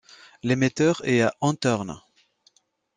L'émetteur est à Anthorn.